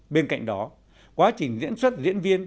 bên cạnh đó quá trình diễn xuất diễn viên